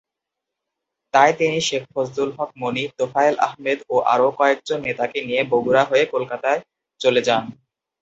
তাই তিনি শেখ ফজলুল হক মনি, তোফায়েল আহমেদ ও আরও কয়েকজন নেতাকে নিয়ে বগুড়া হয়ে কলকাতা চলে যান।